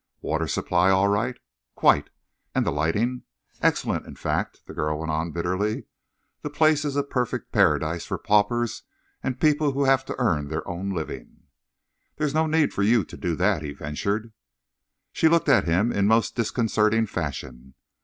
"Water supply all right?" "Quite." "And the lighting?" "Excellent. In fact," the girl went on bitterly, "the place is a perfect Paradise for paupers and people who have to earn their own living." "There is no need for you to do that," he ventured. She looked at him in most disconcerting fashion.